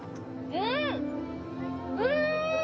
うん！